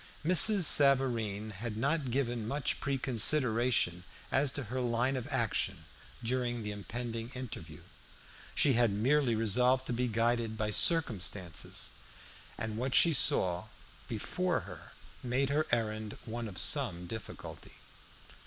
Mrs. Savareen had not given much pre consideration as to her line of action during the impending interview. She had merely resolved to be guided by circumstances, and what she saw before her made her errand one of some difficulty.